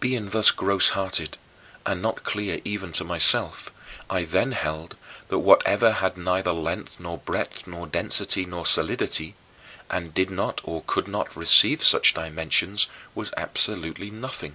2. Being thus gross hearted and not clear even to myself, I then held that whatever had neither length nor breadth nor density nor solidity, and did not or could not receive such dimensions, was absolutely nothing.